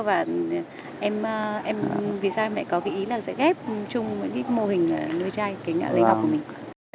và em vì sao em lại có ý là sẽ ghép chung mô hình nuôi chai cái ngã lấy ngọc của mình